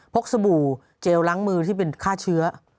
สบู่เจลล้างมือที่เป็นฆ่าเชื้อ